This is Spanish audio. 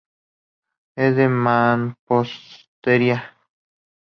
Es de mampostería.